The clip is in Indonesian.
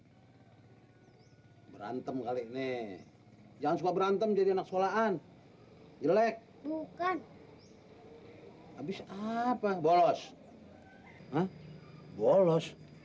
saya berantem kali ini jangan suka berantem jadi anak sekolahan jelek bukan habis apa bolos bolos